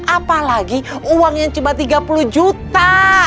apalagi uang yang cuma tiga puluh juta